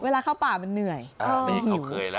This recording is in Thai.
เวลาเข้าป่ามันเหนื่อย